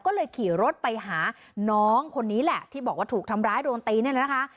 ก็เลยขี่รถไปหาน้องคนนี้แหละที่บอกว่าถูกทำร้ายโดนตีเนี่ยนะคะ